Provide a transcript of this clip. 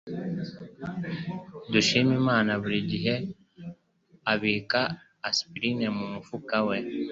Dushimimana buri gihe abika aspirine mu mufuka we.